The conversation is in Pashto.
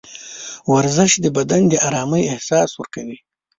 ورزش د بدن د ارامۍ احساس ورکوي.